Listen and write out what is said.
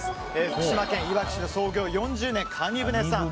福島県いわき市で創業４０年かに船さん。